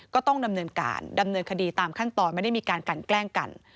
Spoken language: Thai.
ก็ต้องดำเนินการดำเนินคดีตามขั้นตอนไม่ได้มีการกันแกล้งกัน